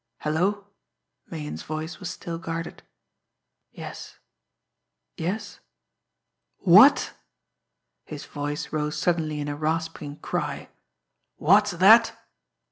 "Hello!" Meighan's voice was still guarded. "Yes yes ... What!" His voice rose suddenly in a rasping cry. "What's that!